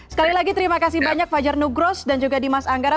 sekali lagi terima kasih banyak fajar nugros dan juga dimas anggara